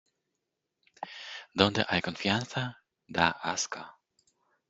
Donde hay confianza, da asco.